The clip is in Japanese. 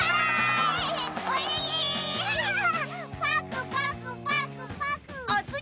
パクパクパクパク。